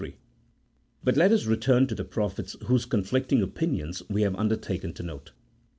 But let us return to the prophets whose conflicting opinions we have undertaken to note.